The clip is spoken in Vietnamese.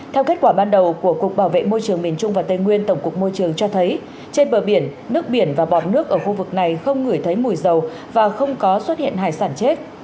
theo kết quả ban đầu của cục bảo vệ môi trường miền trung và tây nguyên tổng cục môi trường cho thấy trên bờ biển nước biển và bọt nước ở khu vực này không ngửi thấy mùi dầu và không có xuất hiện hải sản chết